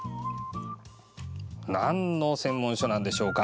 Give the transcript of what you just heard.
なんの専門書なんでしょうか。